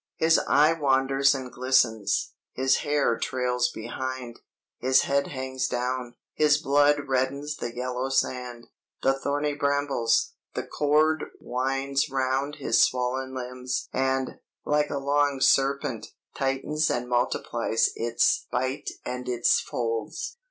"His eye wanders and glistens, his hair trails behind, his head hangs down; his blood reddens the yellow sand, the thorny brambles: the cord winds round his swollen limbs and, like a long serpent, tightens and multiplies its bite and its folds.